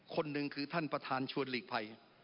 คนหนึ่งคือท่านประธานชวนหลีกภัย